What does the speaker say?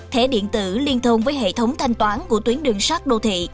thẻ điện tử liên thông với hệ thống thanh toán của tuyến đường sắt đô thị